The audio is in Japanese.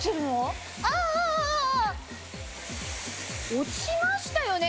落ちましたよね？